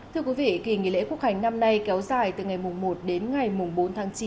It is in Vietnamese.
thưa quý vị kỳ nghỉ lễ quốc hành năm nay kéo dài từ ngày một đến ngày bốn tháng chín